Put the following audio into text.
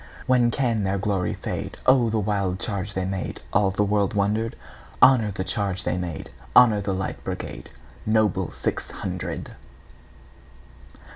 When can their glory fade?O the wild charge they made! All the world wonder'd. Honor the charge they made! Honor the Light Brigade, Noble six hundred!